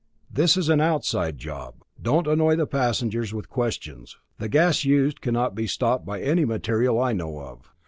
This is an outside job. Don't annoy the passengers with questions. The gas used cannot be stopped by any material I know of.